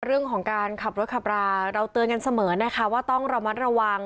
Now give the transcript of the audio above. เรื่องของการขับรถขับราเราเตือนกันเสมอนะคะว่าต้องระมัดระวัง